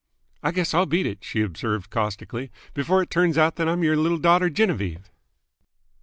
"I guess I'll beat 't," she observed caustically, "before it turns out that I'm y'r l'il daughter Genevieve."